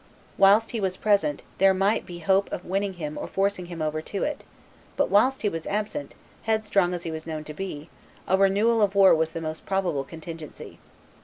Whilst he was present, there might be hope of winning him or forcing him over to it; but, whilst he was absent, headstrong as he was known to be, a renewal of war was the most probable contingency.